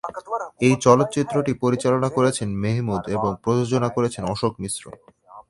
এই চলচ্চিত্রটি পরিচালনা করেছেন মেহমুদ এবং প্রযোজনা করেছেন অশোক মিশ্র।